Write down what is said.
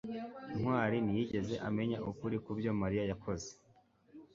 ntwali ntiyigeze amenya ukuri kubyo mariya yakoze